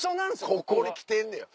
ここに来てんねや。